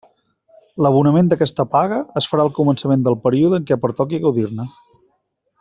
L'abonament d'aquesta paga es farà al començament del període en què pertoqui gaudir-ne.